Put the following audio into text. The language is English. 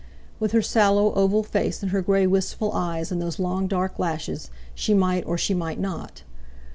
With her sallow oval face and her grey wistful eyes and those long dark lashes, she might, or she might not.